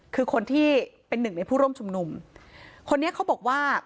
คือคนที่เป็นหนึ่งในผู้ร่วมชุมนุมคนนี้เขาบอกว่า